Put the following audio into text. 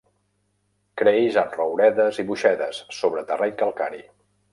Creix en rouredes i boixedes sobre terreny calcari.